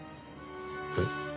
えっ？